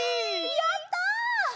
やった！